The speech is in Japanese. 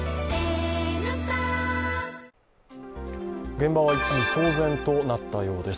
現場は一時、騒然となったようです。